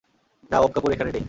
না ওম কাপুর এখানে নেই।